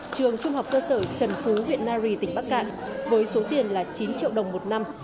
trường trung học cơ sở trần phú huyện nari tỉnh bắc cạn với số tiền là chín triệu đồng một năm